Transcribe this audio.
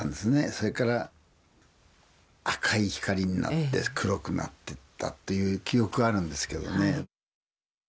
それから赤い光になって黒くなってったという記憶あるんですけどね。